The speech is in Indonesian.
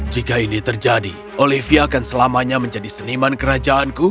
jika ini terjadi olivia akan selamanya menjadi seniman kerajaanku